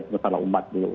masalah umat dulu